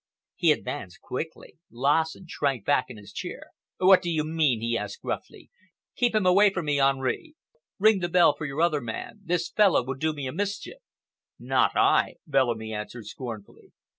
He advanced quickly. Lassen shrank back in his chair. "What do you mean?" he asked gruffly. "Keep him away from me, Henri. Ring the bell for your other man. This fellow will do me a mischief." "Not I," Bellamy answered scornfully.